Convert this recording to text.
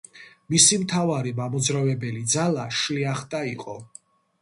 მისი მთავარი მამოძრავებელი ძალა შლიახტა იყო.